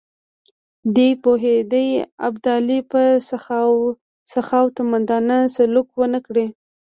دی پوهېدی ابدالي به سخاوتمندانه سلوک ونه کړي.